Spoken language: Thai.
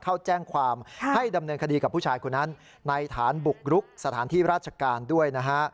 เข้าแจ้งความให้ดำเนินคดีกับผู้ชายคนนั้นในฐานบุกรุกสถานที่ราชการด้วยนะฮะ